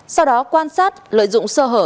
sau đó quan sát lợi dụng sơ hở